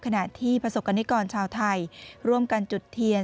ขณะที่ประสบกรณิกรชาวไทยร่วมกันจุดเทียน